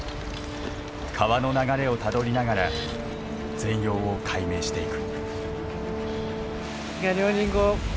川の流れをたどりながら全容を解明していく。